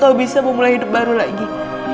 kau bisa memulai hidup baru lagi